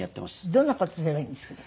どんな事すればいいんですかね？